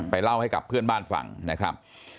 เล่าให้กับเพื่อนบ้านฟังนะครับ